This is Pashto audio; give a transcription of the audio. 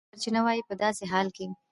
دغه سرچینه وایي په داسې حال کې